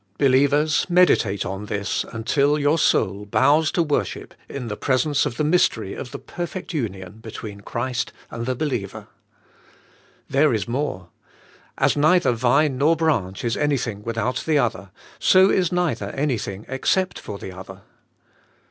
Believers, meditate on this, until your soul bows to worship in presence of the mystery of the perfect union between Christ and the believer. There is more: as neither vine nor branch is any thing without the other, so is neither anything except for the other.